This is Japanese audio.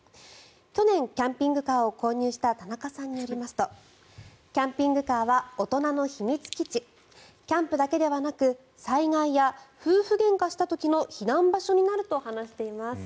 去年キャンピングカーを購入した田中さんによりますとキャンピングカーは大人の秘密基地キャンプだけではなく災害や夫婦げんかした時の避難場所になると話しています。